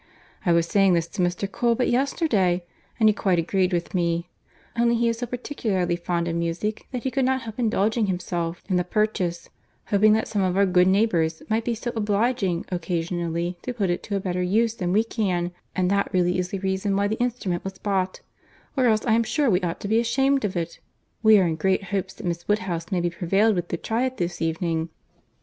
—I was saying this to Mr. Cole but yesterday, and he quite agreed with me; only he is so particularly fond of music that he could not help indulging himself in the purchase, hoping that some of our good neighbours might be so obliging occasionally to put it to a better use than we can; and that really is the reason why the instrument was bought—or else I am sure we ought to be ashamed of it.—We are in great hopes that Miss Woodhouse may be prevailed with to try it this evening."